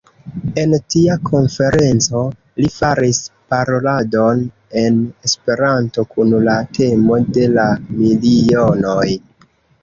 En tia konferenco li faris paroladon en Esperanto kun la temo de la Milionoj.